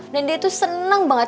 dan dia tuh seneng banget